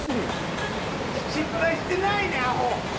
失敗してないねんアホ！